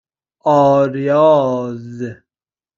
آریاز